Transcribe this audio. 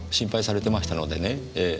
ええ。